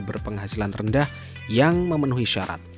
berpenghasilan rendah yang memenuhi syarat